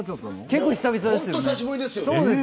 結構、久しぶりですね。